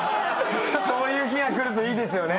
そういう日が来るといいですよね。